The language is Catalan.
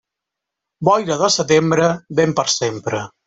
Boira de setembre, vent per sempre.